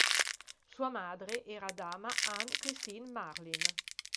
Sua madre era dama Anne-Christine Marlin.